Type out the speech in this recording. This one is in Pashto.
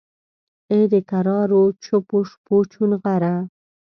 ای دکرارو چوپو شپو چونغره!